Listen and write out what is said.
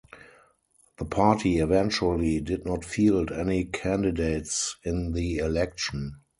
The party eventually did not field any candidates in the election.